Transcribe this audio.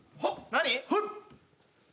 何？